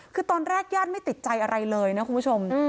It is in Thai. คือตอนแรกญาติไม่ติดใจอะไรเลยนะคุณผู้ชม